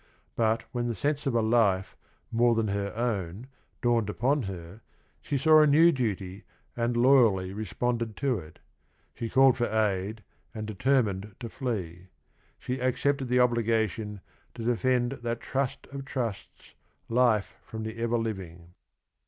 But when the sense of a life "more than her own" dawned upon 'feer she saw a new duty an d Iuya, Hy icspunded to ~iE She called tor aid and determined to flee. — Sfre aeeepted the obliga tion "Lu defend that trust of trusts, Life from i the Ever Living."